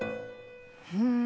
うん。